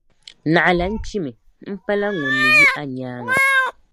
Naɣila n kpimi, m pala ŋun ni yi anyaaŋa.